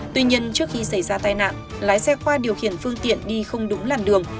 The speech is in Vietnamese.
tuy nhiên trước khi xảy ra tai nạn lái xe khoa điều khiển phương tiện đi không đúng làn đường